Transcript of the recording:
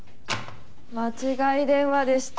間違い電話でした。